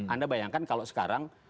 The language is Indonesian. anda bayangkan kalau sekarang